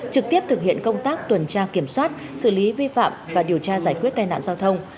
trực tiếp thực hiện công tác tuần tra kiểm soát xử lý vi phạm và điều tra giải quyết tai nạn giao thông